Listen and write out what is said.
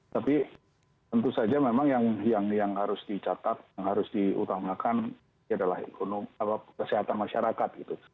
tapi tentu saja memang yang harus dicatat yang harus diutamakan adalah kesehatan masyarakat gitu